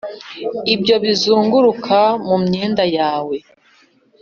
ibyo bizunguruka mu myenda yawe